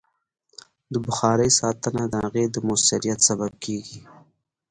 د بخارۍ ساتنه د هغې د مؤثریت سبب کېږي.